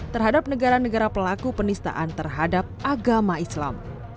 terhadap negara negara pelaku penistaan terhadap agama islam